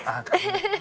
フフフ！